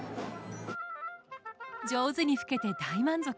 上手に吹けて大満足！